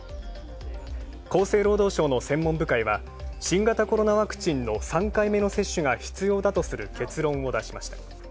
厚生労働省の専門部会は新型コロナワクチンの３回目の接種が必要だとする結論を出しました。